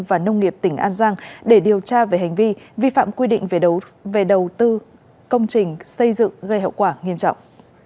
và nông nghiệp tỉnh an giang để điều tra về hành vi vi phạm quy định về đầu tư công trình xây dựng gây hậu quả nghiêm trọng